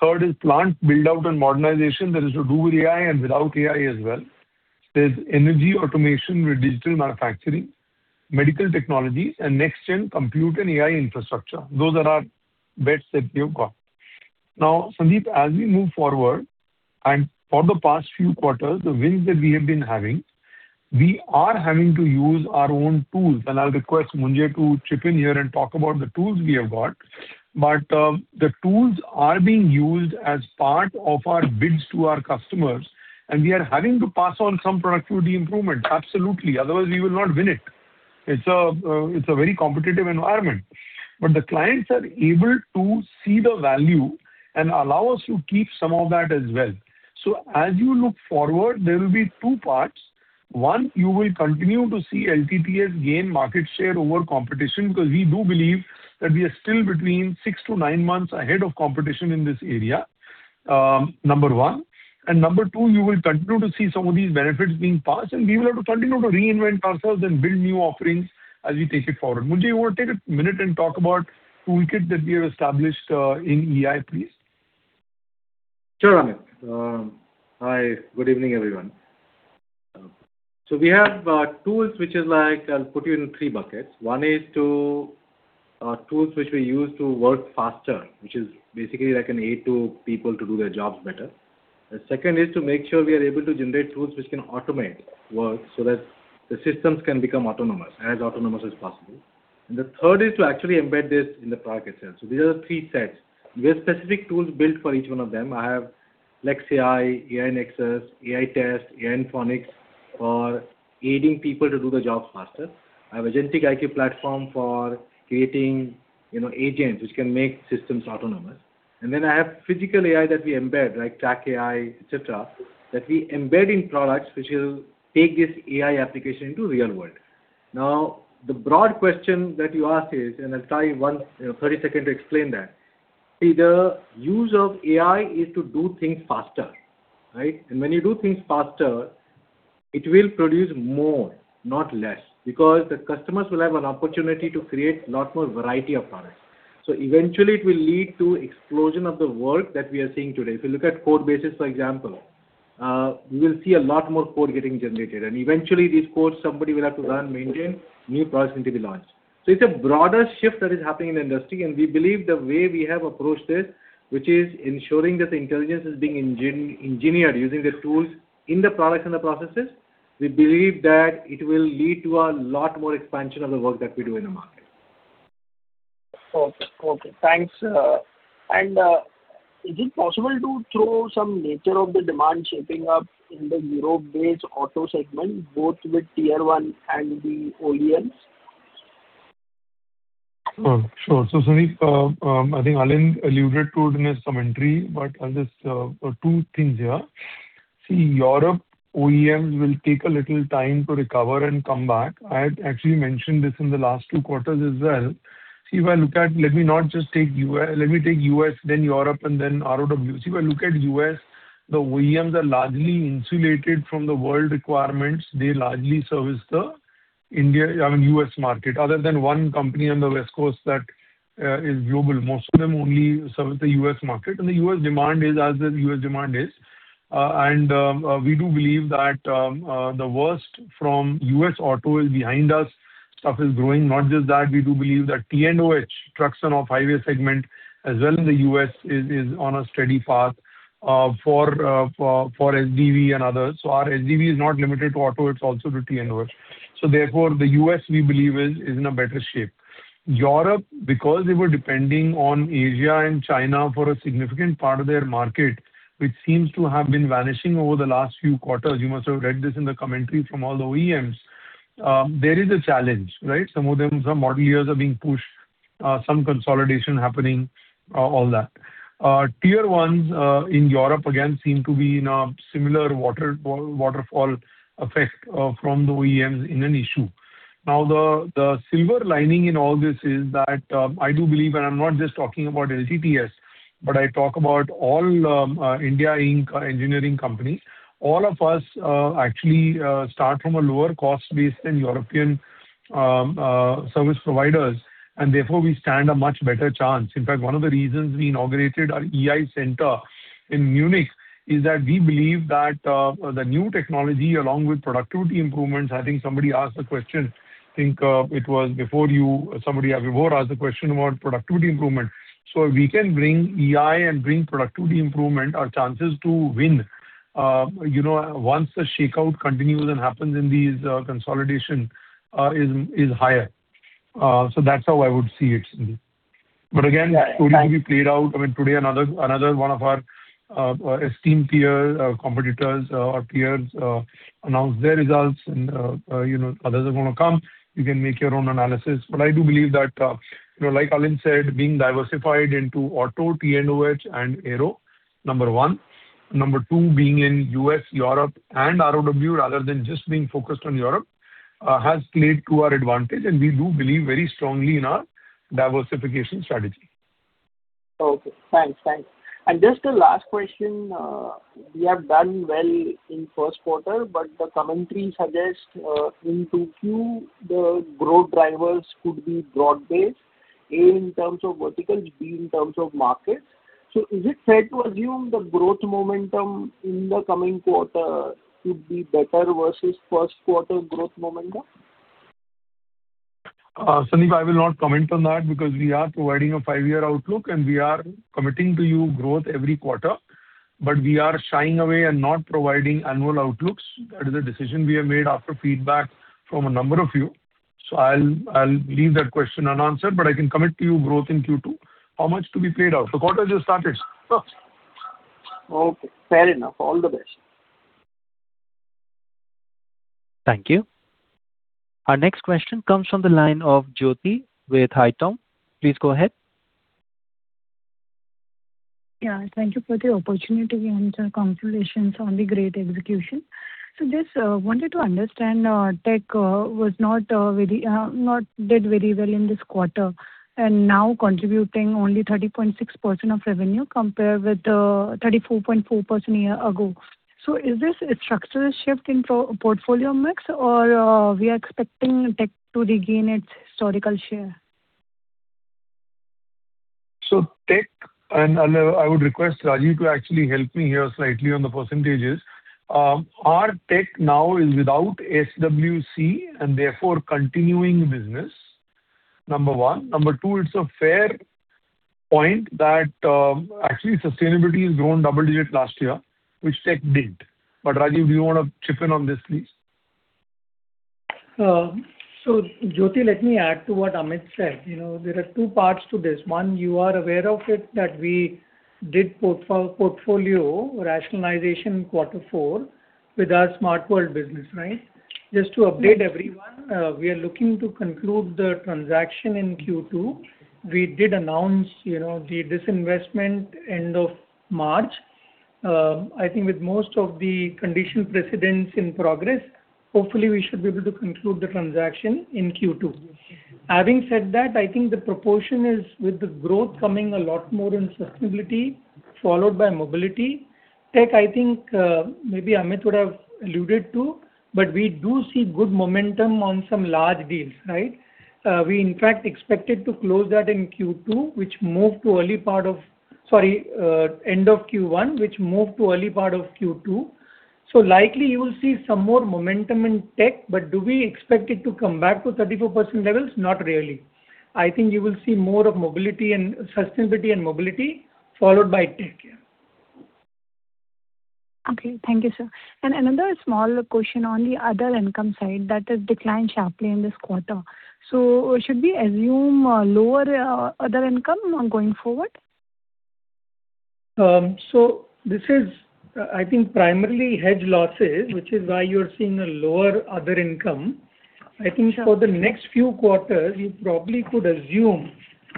Third is plant build-out and modernization that is to do with AI and without AI as well. There's energy automation with digital manufacturing, medical technology, and next-gen compute and AI infrastructure. Those are our bets that we have got. Sandeep, as we move forward for the past few quarters, the wins that we have been having, we are having to use our own tools. I'll request Munjay to chip in here and talk about the tools we have got. The tools are being used as part of our bids to our customers, and we are having to pass on some productivity improvement. Absolutely. Otherwise, we will not win it. It's a very competitive environment. The clients are able to see the value and allow us to keep some of that as well. As you look forward, there will be two parts. One, you will continue to see LTTS gain market share over competition because we do believe that we are still between six to nine months ahead of competition in this area. Number one. Number two, you will continue to see some of these benefits being passed and we will have to continue to reinvent ourselves and build new offerings as we take it forward. Munjay, you want to take a minute and talk about toolkit that we have established in EI, please? Sure, Amit. Hi, good evening, everyone. We have tools which is I'll put you in three buckets. One is tools which we use to work faster, which is basically like an aid to people to do their jobs better. The second is to make sure we are able to generate tools which can automate work so that the systems can become autonomous, as autonomous as possible. The third is to actually embed this in the product itself. These are the three sets. We have specific tools built for each one of them. I have Plex AI Nexus, AI-Test, Ainfonix for aiding people to do the jobs faster. I have Agentic IQ platform for creating agents which can make systems autonomous. I have Physical AI that we embed, like Track AI, et cetera, that we embed in products which will take this AI application into real world. The broad question that you asked is, I'll try in 30 seconds to explain that. The use of AI is to do things faster, right? When you do things faster, it will produce more, not less, because the customers will have an opportunity to create lot more variety of products. Eventually it will lead to explosion of the work that we are seeing today. If you look at code bases, for example, we will see a lot more code getting generated. Eventually these codes, somebody will have to run, maintain, new products need to be launched. It's a broader shift that is happening in the industry, and we believe the way we have approached this, which is ensuring that the intelligence is being engineered using the tools in the products and the processes. We believe that it will lead to a lot more expansion of the work that we do in the market. Okay. Thanks. Is it possible to throw some nature of the demand shaping up in the Europe-based auto segment, both with tier one and the OEMs? Sure. Sandeep, I think Alind alluded to it in his commentary, but I'll just two things here. Europe OEMs will take a little time to recover and come back. I had actually mentioned this in the last two quarters as well. If I look at... Let me take U.S., then Europe, and then ROW. If you look at U.S., the OEMs are largely insulated from the world requirements. They largely service the U.S. market. Other than one company on the West Coast that is global, most of them only serve the U.S. market. The U.S. demand is as the U.S. demand is. We do believe that the worst from U.S. auto is behind us. Stuff is growing. Not just that, we do believe that T&OH, trucks and off-highway segment, as well in the U.S., is on a steady path for SDV and others. Our SDV is not limited to auto, it is also to T&OH. Therefore, the U.S., we believe, is in a better shape. Europe, because they were depending on Asia and China for a significant part of their market, which seems to have been vanishing over the last few quarters. You must have read this in the commentary from all the OEMs. There is a challenge, right? Some of them, some model years are being pushed, some consolidation happening, all that. Tier ones in Europe, again, seem to be in a similar waterfall effect from the OEMs in an issue. The silver lining in all this is that I do believe, and I am not just talking about LTTS, but I talk about all India Inc. engineering companies. All of us actually start from a lower cost base than European service providers. Therefore, we stand a much better chance. In fact, one of the reasons we inaugurated our EI center in Munich is that we believe that the new technology along with productivity improvements, I think somebody asked a question, I think it was before you. Somebody asked a question about productivity improvement. If we can bring EI and bring productivity improvement, our chances to win once the shakeout continues and happens in these consolidation is higher. That is how I would see it, Sandeep. Again. Yeah. Thanks totally to be played out. I mean, today another one of our esteemed peer competitors or peers announced their results and others are going to come. You can make your own analysis. I do believe that like Alind said, being diversified into auto, T&OH and aero, number one. Number two, being in U.S., Europe and ROW, rather than just being focused on Europe, has played to our advantage. We do believe very strongly in our diversification strategy. Okay, thanks. Just a last question. We have done well in first quarter. The commentary suggests in Q2 the growth drivers could be broad-based, A, in terms of verticals, B, in terms of markets. Is it fair to assume the growth momentum in the coming quarter could be better versus first quarter growth momentum? Sandeep, I will not comment on that because we are providing a five-year outlook and we are committing to you growth every quarter. We are shying away and not providing annual outlooks. That is a decision we have made after feedback from a number of you. I will leave that question unanswered, but I can commit to you growth in Q2. How much to be paid out. The quarter just started. Okay, fair enough. All the best. Thank you. Our next question comes from the line of Jyoti with Haitong. Please go ahead. Yeah. Thank you for the opportunity and congratulations on the great execution. I just wanted to understand, Tech did not very well in this quarter, and now contributing only 30.6% of revenue compared with 34.4% a year ago. Is this a structural shift in portfolio mix or are we expecting Tech to regain its historical share? Tech, and I would request Rajeev to actually help me here slightly on the percentages. Our Tech now is without SWC and therefore continuing business, number one. Number two, it's a fair point that actually sustainability has grown double-digit last year, which Tech did. Rajeev, do you want to chip in on this, please? Jyoti, let me add to what Amit said. There are two parts to this. One, you are aware of it, that we did portfolio rationalization in quarter four with our Smart World business, right? Just to update everyone, we are looking to conclude the transaction in Q2. We did announce the disinvestment end of March. I think with most of the condition precedents in progress, hopefully we should be able to conclude the transaction in Q2. Having said that, I think the proportion is with the growth coming a lot more in sustainability followed by Mobility. Tech, I think, maybe Amit would have alluded to, but we do see good momentum on some large deals, right? We in fact expected to close that in Q2, which moved to end of Q1, which moved to early part of Q2. Likely you will see some more momentum in Tech, but do we expect it to come back to 34% levels? Not really. I think you will see more of sustainability and Mobility followed by Tech. Okay. Thank you, sir. Another small question on the other income side that has declined sharply in this quarter. Should we assume a lower other income going forward? This is, I think, primarily hedge losses, which is why you're seeing a lower other income. I think for the next few quarters, you probably could assume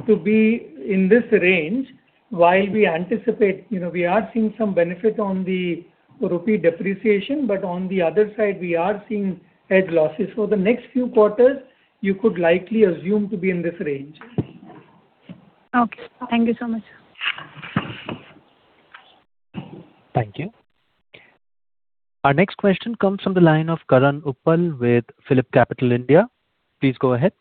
to be in this range while we anticipate. We are seeing some benefit on the rupee depreciation, but on the other side, we are seeing hedge losses. For the next few quarters, you could likely assume to be in this range. Okay. Thank you so much. Thank you. Our next question comes from the line of Karan Uppal with PhillipCapital India. Please go ahead.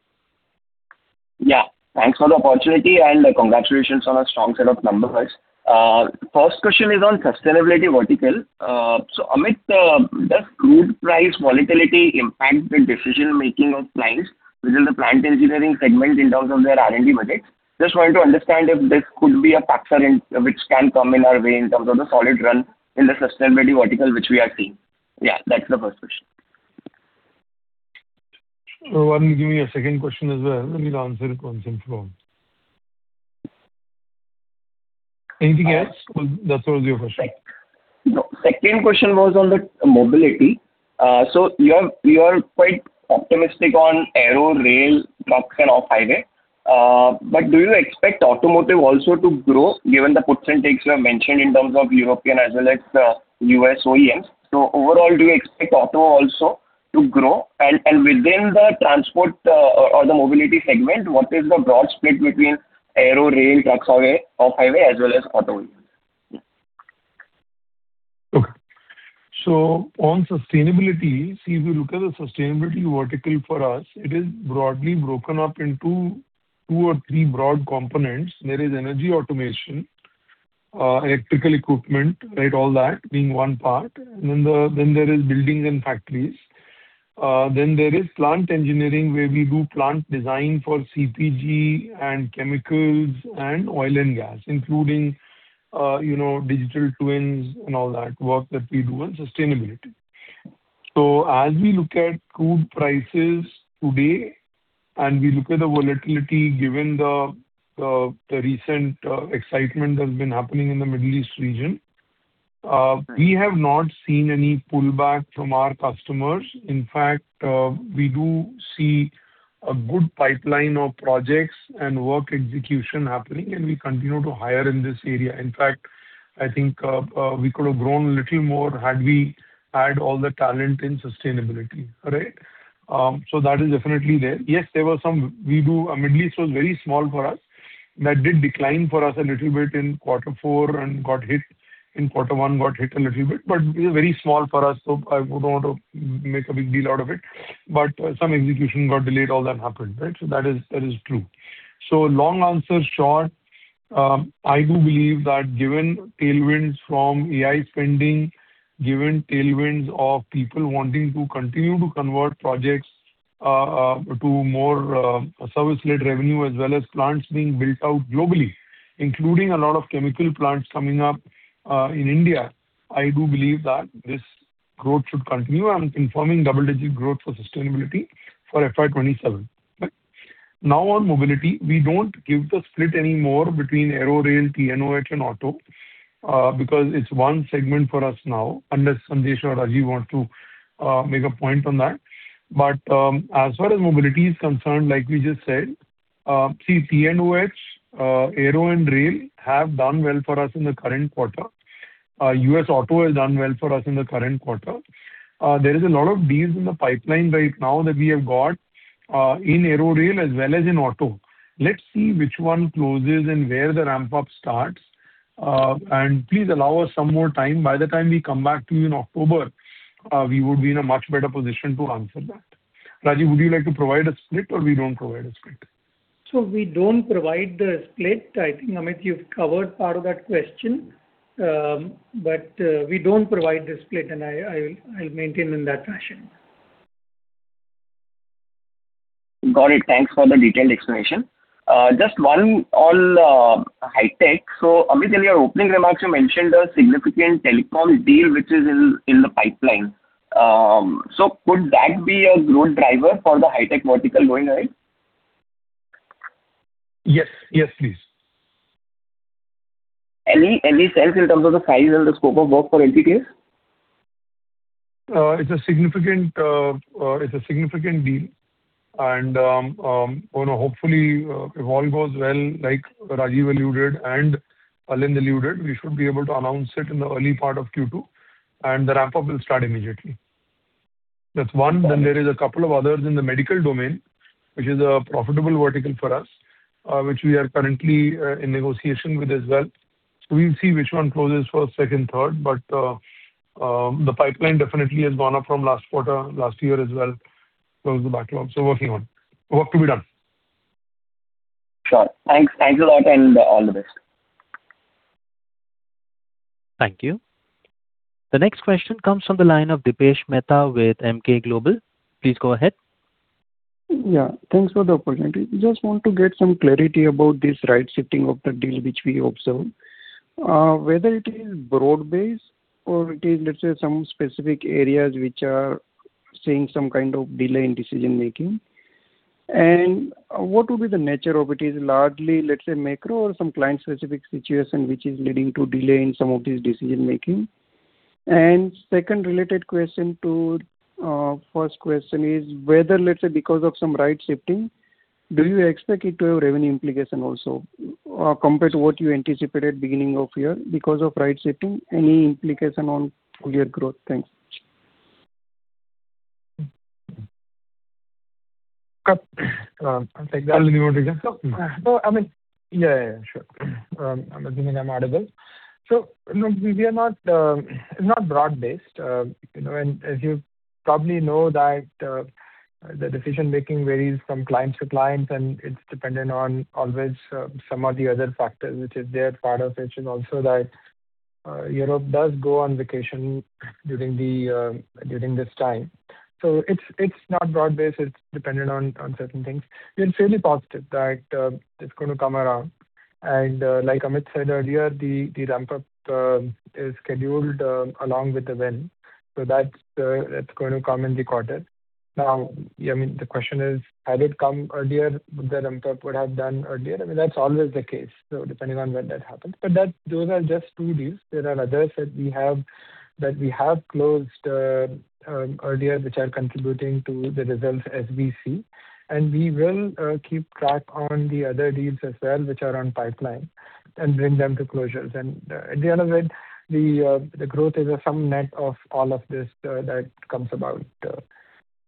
Thanks for the opportunity and congratulations on a strong set of numbers. First question is on sustainability vertical. Amit, does crude price volatility impact the decision-making of clients within the plant engineering segment in terms of their R&D budgets? Just wanted to understand if this could be a factor which can come in our way in terms of the solid run in the sustainability vertical which we are seeing. That's the first question. Why don't you give me your second question as well? Let me answer it once and for all. Anything else? That was your first question. Second question was on the mobility. You are quite optimistic on aero, rail, trucks, and off-highway. Do you expect automotive also to grow given the puts and takes you have mentioned in terms of European as well as U.S. OEMs? Overall, do you expect auto also to grow? Within the transport or the mobility segment, what is the broad split between aero, rail, trucks, off-highway as well as auto? On sustainability, see, if you look at the sustainability vertical for us, it is broadly broken up into two or three broad components. There is energy automation, electrical equipment, all that being one part. There is building and factories. There is plant engineering where we do plant design for CPG and chemicals and oil and gas, including digital twins and all that work that we do on sustainability. As we look at crude prices today, we look at the volatility given the recent excitement that's been happening in the Middle East region, we have not seen any pullback from our customers. We do see a good pipeline of projects and work execution happening, we continue to hire in this area. I think we could have grown a little more had we had all the talent in sustainability. That is definitely there. Middle East was very small for us. That did decline for us a little bit in quarter four and got hit in quarter one, got hit a little bit. It is very small for us, I wouldn't want to make a big deal out of it. Some execution got delayed, all that happened, right. That is true. Long answer short I do believe that given tailwinds from AI spending, given tailwinds of people wanting to continue to convert projects to more service-led revenue, as well as plants being built out globally, including a lot of chemical plants coming up in India, I do believe that this growth should continue. I'm confirming double-digit growth for sustainability for FY 2027. On mobility, we don't give the split anymore between aero, rail, T&OH and auto because it's one segment for us now, unless Sandesh or Rajeev want to make a point on that. As far as mobility is concerned, like we just said, T&OH, aero and rail have done well for us in the current quarter. U.S. auto has done well for us in the current quarter. There is a lot of deals in the pipeline right now that we have got in aero, rail as well as in auto. Let's see which one closes and where the ramp-up starts. Please allow us some more time. By the time we come back to you in October, we would be in a much better position to answer that. Rajeev, would you like to provide a split or we don't provide a split? We don't provide the split. I think, Amit, you've covered part of that question, but we don't provide the split, and I'll maintain in that fashion. Got it. Thanks for the detailed explanation. Just one on High-Tech. Amit, in your opening remarks, you mentioned a significant telecom deal which is in the pipeline. Could that be a growth driver for the High-Tech vertical going ahead? Yes. Yes, please. Any sense in terms of the size and the scope of work for LTTS? It's a significant deal and hopefully, if all goes well, like Rajeev alluded and Alind alluded, we should be able to announce it in the early part of Q2, and the ramp-up will start immediately. That's one. Then there is a couple of others in the medical domain, which is a profitable vertical for us, which we are currently in negotiation with as well. We'll see which one closes first, second, third. The pipeline definitely has gone up from last quarter, last year as well. Close the backlog, so working on. Work to be done. Sure. Thanks a lot, and all the best. Thank you. The next question comes from the line of Dipesh Mehta with Emkay Global. Please go ahead. Thanks for the opportunity. Just want to get some clarity about this right shifting of the deal, which we observe, whether it is broad-based or it is, let's say, some specific areas which are seeing some kind of delay in decision-making. What will be the nature of it is largely, let's say, macro or some client-specific situation which is leading to delay in some of this decision-making. Second related question to first question is whether, let's say, because of some right shifting, do you expect it to have revenue implication also, compared to what you anticipated beginning of year because of right shifting, any implication on full year growth? Thanks. Alind, you want to take that? Yeah, sure. I'm assuming I'm audible. No, it's not broad-based. As you probably know that the decision-making varies from client to client, and it's dependent on always some of the other factors which is there, part of which is also that Europe does go on vacation during this time. It's not broad-based. It's dependent on certain things. We're fairly positive that it's going to come around. Like Amit said earlier, the ramp-up is scheduled along with the win, that's going to come in the quarter. The question is, had it come earlier, would the ramp-up would have done earlier? That's always the case, depending on when that happens. Those are just two deals. There are others that we have closed earlier, which are contributing to the results as we see. We will keep track on the other deals as well, which are on pipeline and bring them to closures. At the end of it, the growth is a sum net of all of this that comes about.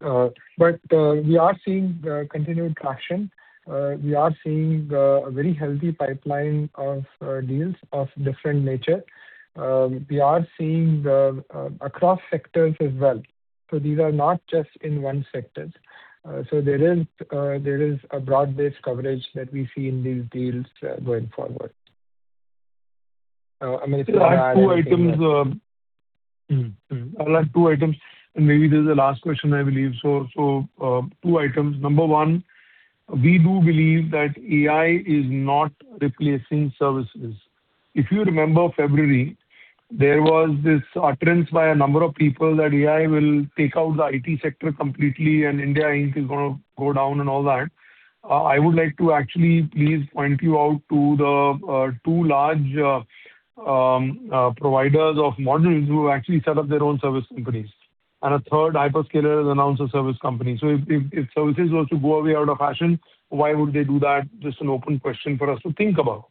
We are seeing continued traction. We are seeing a very healthy pipeline of deals of different nature. We are seeing across sectors as well. These are not just in one sector. There is a broad-based coverage that we see in these deals going forward. Amit- I'll add two items. Maybe this is the last question, I believe. Two items. Number one, we do believe that AI is not replacing services. If you remember February, there was this utterance by a number of people that AI will take out the IT sector completely and India Inc. is going to go down and all that. I would like to actually please point you out to the two large providers of modules who actually set up their own service companies. A third hyperscaler has announced a service company. If services was to go away out of fashion, why would they do that? Just an open question for us to think about.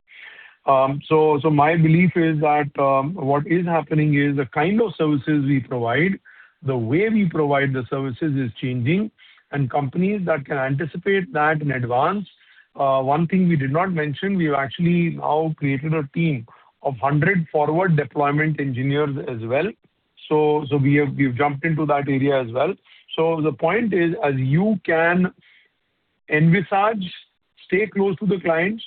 My belief is that what is happening is the kind of services we provide, the way we provide the services is changing, and companies that can anticipate that in advance. One thing we did not mention, we've actually now created a team of 100 forward deployment engineers as well. We have jumped into that area as well. The point is, as you can envisage, stay close to the clients.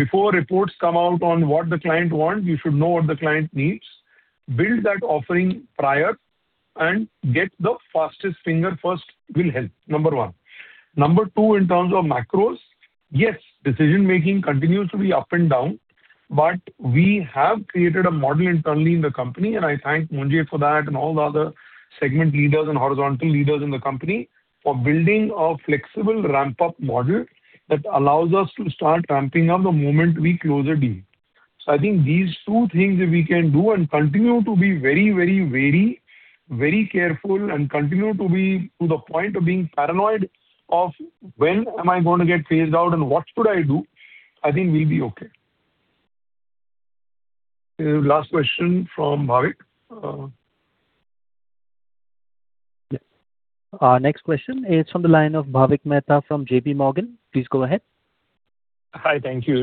Before reports come out on what the client wants, you should know what the client needs. Build that offering prior and get the fastest finger first will help, number one. Number two, in terms of macros, yes, decision-making continues to be up and down. We have created a model internally in the company, and I thank Munjay for that and all the other segment leaders and horizontal leaders in the company for building a flexible ramp-up model that allows us to start ramping up the moment we close a deal. I think these two things we can do and continue to be very wary, very careful, and continue to the point of being paranoid of when am I going to get phased out and what should I do, I think we'll be okay. Last question from Bhavik. Next question is from the line of Bhavik Mehta from JPMorgan. Please go ahead. Hi. Thank you.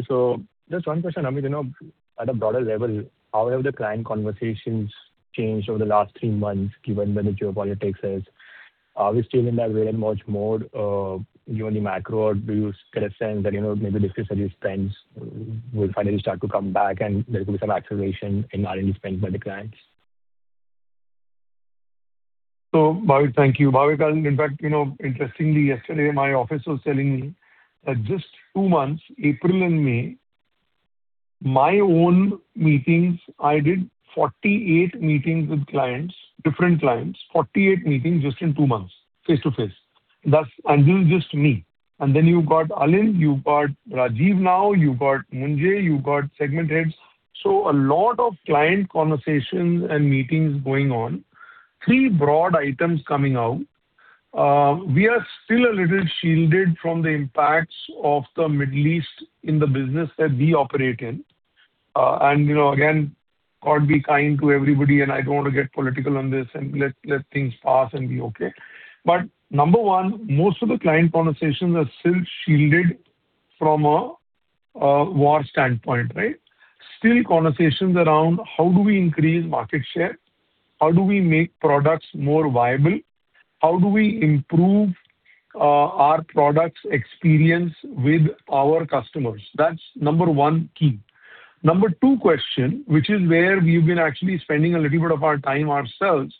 Just one question, Amit. At a broader level, how have the client conversations changed over the last three months, given where the geopolitics is? Are we still in that wait-and-watch mode given the macro? Do you get a sense that maybe discretionary spends will finally start to come back and there could be some acceleration in R&D spend by the clients? Bhavik, thank you. Bhavik, in fact, interestingly, yesterday, my office was telling me that just two months, April and May, my own meetings, I did 48 meetings with clients, different clients, 48 meetings just in two months, face-to-face. This is just me. You've got Alind, you've got Rajeev now, you've got Munjay, you've got segment heads. A lot of client conversations and meetings going on. Three broad items coming out. We are still a little shielded from the impacts of the Middle East in the business that we operate in. Again, God be kind to everybody, and I don't want to get political on this and let things pass and be okay. Number one, most of the client conversations are still shielded from a war standpoint, right? Still conversations around how do we increase market share? How do we make products more viable? How do we improve our products experience with our customers? That's number one key. Number two question, which is where we've been actually spending a little bit of our time ourselves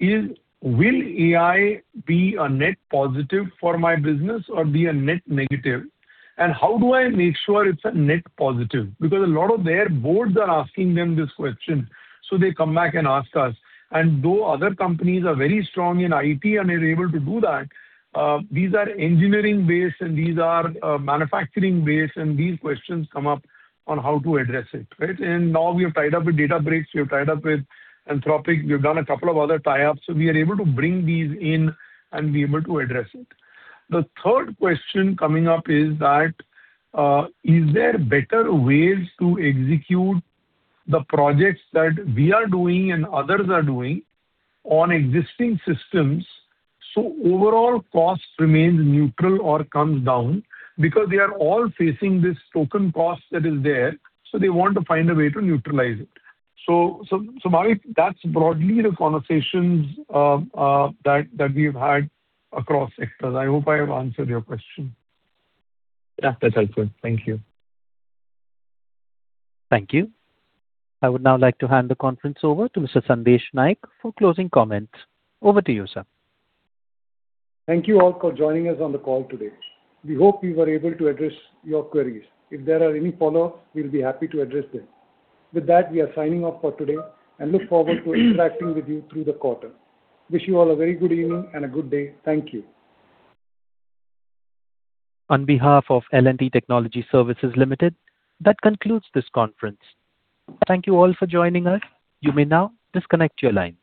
is, will AI be a net positive for my business or be a net negative? How do I make sure it's a net positive? Because a lot of their boards are asking them this question, so they come back and ask us. Though other companies are very strong in IT and are able to do that, these are engineering-based and these are manufacturing-based, and these questions come up on how to address it, right? Now we have tied up with Databricks, we have tied up with Anthropic, we've done a couple of other tie-ups. We are able to bring these in and be able to address it. The third question coming up is that, is there better ways to execute the projects that we are doing and others are doing on existing systems so overall cost remains neutral or comes down? Because they are all facing this token cost that is there, so they want to find a way to neutralize it. Bhavik, that's broadly the conversations that we've had across sectors. I hope I have answered your question. Yeah, that's helpful. Thank you. Thank you. I would now like to hand the conference over to Mr. Sandesh Naik for closing comments. Over to you, sir. Thank you all for joining us on the call today. We hope we were able to address your queries. If there are any follow-ups, we'll be happy to address them. With that, we are signing off for today and look forward to interacting with you through the quarter. Wish you all a very good evening and a good day. Thank you. On behalf of L&T Technology Services Limited, that concludes this conference. Thank you all for joining us. You may now disconnect your line.